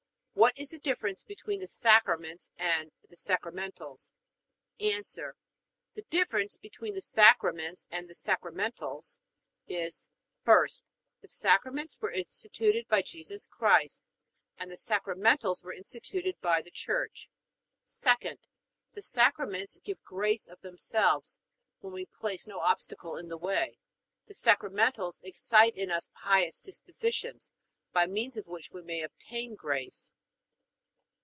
What is the difference between the Sacraments and the sacramentals? A. The difference between the Sacraments and the sacramentals is: 1st, The Sacraments were instituted by Jesus Christ and the sacramentals were instituted by the Church; 2d, The Sacraments give grace of themselves when we place no obstacle in the way; the sacramentals excite in us pious dispositions, by means of which we may obtain grace.